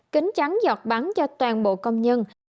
kính trắng giọt bắn cho toàn bộ công nhân